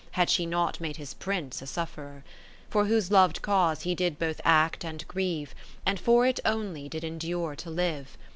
Had she not made his Prince a sufferer; For whose lov'd cause he did both act and grieve. And for it only did endure to live.